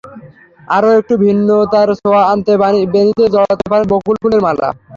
আরও একটু ভিন্নতার ছোঁয়া আনতে বেণিতে জড়াতে পারেন বকুল ফুলের মালা।